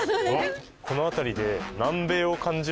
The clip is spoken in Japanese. この辺りで。